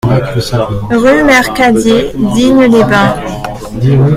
Rue Mercadier, Digne-les-Bains